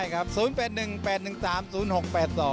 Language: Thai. ติดตามกันได้เลยได้ครับ๐๘๑๘๑๓๐๖๘๒